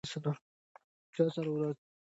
چا سره ورځ پرې جوړه کړه؟